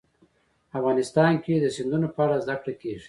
افغانستان کې د سیندونه په اړه زده کړه کېږي.